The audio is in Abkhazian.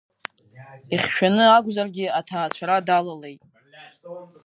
Ихьшәаны акәзаргьы аҭаацәара далалеит.